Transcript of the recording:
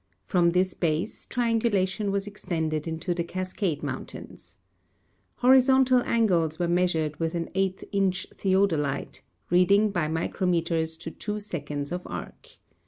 From this base, triangulation Avas extended into the Cascade mountains. Horizontal angles Avere measured Avith an eight inch theodolite, reading by micrometers to tAvo seconds of arc.